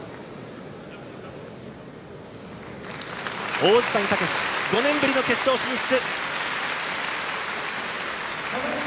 王子谷剛志、５年ぶりの決勝進出。